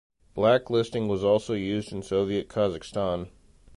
Blacklisting was also used in Soviet Kazakhstan.